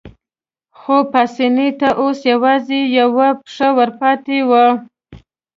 خو پاسیني ته اوس یوازې یوه پښه ورپاتې وه.